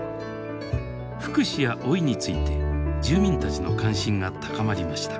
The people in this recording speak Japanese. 福祉や老いについて住民たちの関心が高まりました。